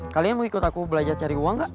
kalian mau ikut aku belajar cari uang gak